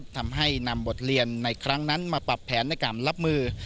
ทำให้นำบทเรียนในครั้งนั้นมาปรับแผนในการรับมือ